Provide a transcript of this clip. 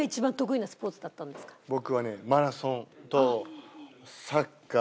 僕はね。